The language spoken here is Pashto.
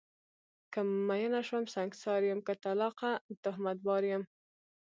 که میینه شوم سنګسار یم، که طلاقه تهمت بار یم